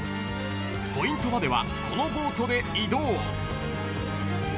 ［ポイントまではこのボートで移動］